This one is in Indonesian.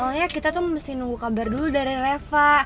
soalnya kita tuh mesti nunggu kabar dulu dari reva